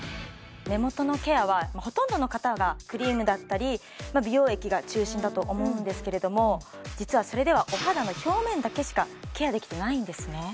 目元のケアはほとんどの方がクリームだったり美容液が中心だと思うんですけれども実はそれではお肌の表面だけしかケアできてないんですね